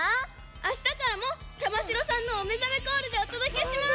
あしたからも玉城さんのおめざめコールでおとどけします！